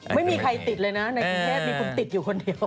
ไม่มีใครติดเลยนะในกรุงเทพมีคนติดอยู่คนเดียว